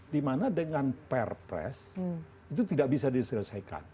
di mana dengan pr press itu tidak bisa diselesaikan